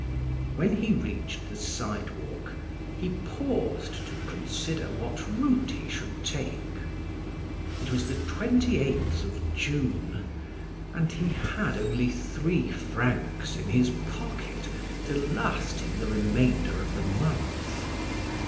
When he reached the sidewalk, he paused to consider what route he should take. It was the twenty eighth of June and he had only three francs in his pocket to last him the remainder of the month.